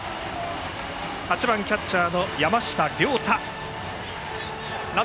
８番キャッチャーの山下諒太。